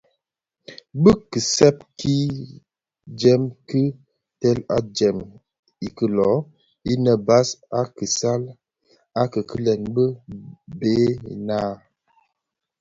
Bi kisèp ki dèm ki teel dyèm ikilön innë bas a kisal a kikilen bi bë naa.